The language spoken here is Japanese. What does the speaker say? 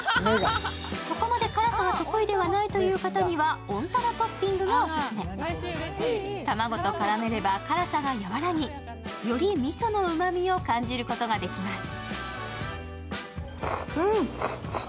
そこまで辛さは得意ではないという方には温玉トッピングがオススメ、卵と絡めれば辛さがやわらぎよりみそのうまみを感じることができます。